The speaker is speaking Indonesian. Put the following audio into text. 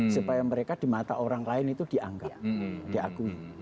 supaya mereka di mata orang lain itu dianggap diakui